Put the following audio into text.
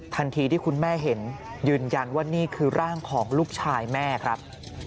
ทันทีที่คุณแม่เห็นยืนยันว่านี่คือร่างของลูกชายแม่ครับ